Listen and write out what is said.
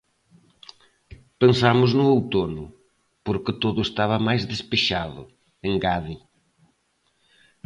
Pensamos no outono, porque todo estaba máis despexado, engade.